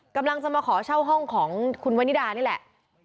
กำลังจะมาขอเช่าห้องของคุณวันนิดานี่แหละ